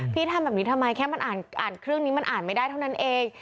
พี่ทำแบบนี้ทำไมแค่มันอ่านเครื่องนี้มันอ่านไม่ได้เท่านั้นเอง